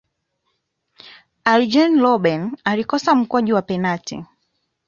arjen robben alikosa mkwaju wa penati